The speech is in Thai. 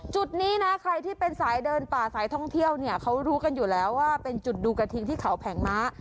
จุดนี้นะใครที่เป็นสายเดินป่าสายท่องเที่ยวเนี่ยเขารู้กันอยู่แล้วว่าเป็นจุดดูกระทิงที่เขาแผงม้า